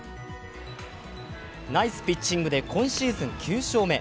ナイスピッチングで今シーズン９勝目。